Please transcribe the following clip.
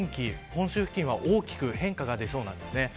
本州付近は大きく変化が出そうです。